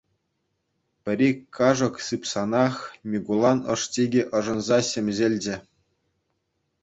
Пӗр-ик кашӑк сыпсанах, Микулан ӑшчикӗ ӑшӑнса ҫемҫелчӗ.